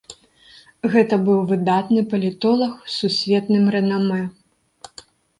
Гэта быў выдатны палітолаг з сусветным рэнамэ.